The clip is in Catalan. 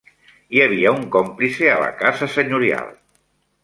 Hi havia un còmplice a la casa senyorial.